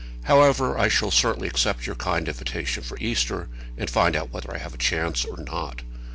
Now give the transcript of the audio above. However, I shall certainly accept your kind invitation for Easter, and find out whether I have a chance or not.